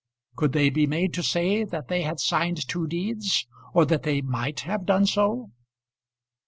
Could they be made to say that they had signed two deeds, or that they might have done so?